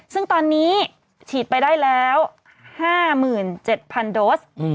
ซึ่งตอนนี้ฉีดไปได้แล้ว๕๗๐๐โดส